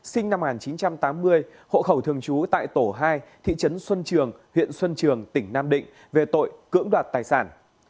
sinh năm một nghìn chín trăm tám mươi hộ khẩu thường trú tại tổ hai thị trấn xuân trường huyện xuân trường tỉnh nam định về tội cưỡng đoạt tài sản